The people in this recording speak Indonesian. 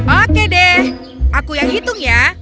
oke deh aku yang hitung ya